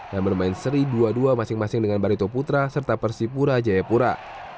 dan bermain seri dua dua masing masing dengan barito putra serta persipura jayapura